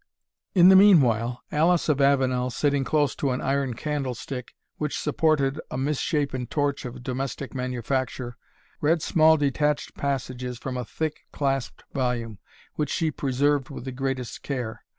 In the meanwhile, Alice of Avenel, sitting close to an iron candlestick, which supported a misshapen torch of domestic manufacture, read small detached passages from a thick clasped volume, which she preserved with the greatest care.